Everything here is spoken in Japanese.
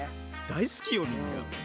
大好きよみんな。